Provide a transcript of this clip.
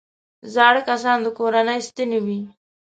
زاړه کسان د کورنۍ ستنې وي